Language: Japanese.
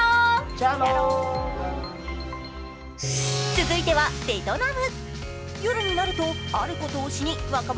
続いてはベトナム。